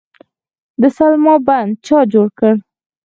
د سلما بند چا جوړ کړ؟